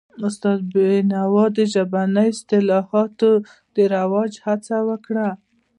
استاد بینوا د ژبنیو اصطلاحاتو د رواج هڅه وکړه.